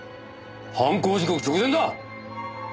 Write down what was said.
犯行時刻直前だ！